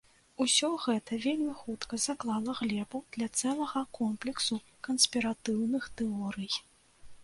Усё гэта вельмі хутка заклала глебу для цэлага комплексу канспіратыўных тэорый.